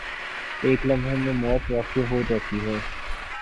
ایک لمحے میں موت واقع ہو جاتی ہے۔